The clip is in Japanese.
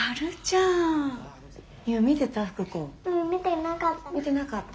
うん見てなかった。